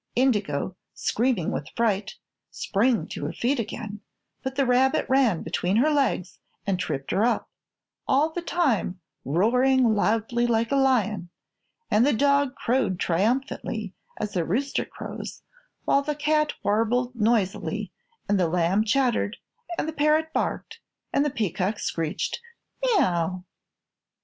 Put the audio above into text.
Indigo, screaming with fright, sprang to her feet again, but the rabbit ran between her legs and tripped her up, all the time roaring loudly like a lion, and the dog crowed triumphantly, as a rooster crows, while the cat warbled noisily and the lamb chattered and the parrot barked and the peacock screeched: "me ow!"